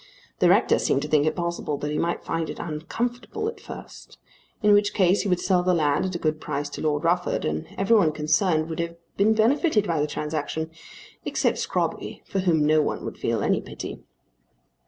The rector seemed to think it possible that he might find it uncomfortable at first, in which case he would sell the land at a good price to Lord Rufford and every one concerned would have been benefited by the transaction, except Scrobby for whom no one would feel any pity.